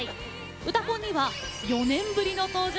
「うたコン」には４年ぶりの登場。